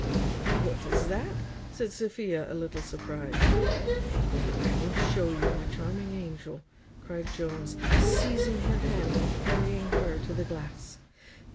"What is that?" said Sophia, a little surprized. "I will show you, my charming angel," cried Jones, seizing her hand and carrying her to the glass.